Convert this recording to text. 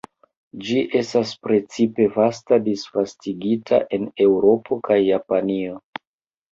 Ĝi estas precipe vasta disvastigita en Eŭropo kaj Japanio.